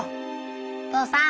父さん。